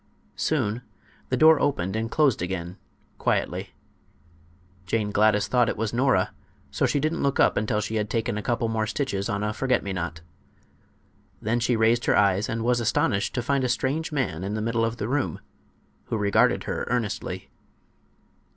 Soon the door opened and closed again, quietly. Jane Gladys thought it was Nora, so she didn't look up until she had taken a couple more stitches on a forget me not. Then she raised her eyes and was astonished to find a strange man in the middle of the room, who regarded her earnestly.